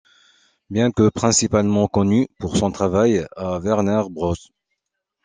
Bien que principalement connu pour son travail à Warner Bros.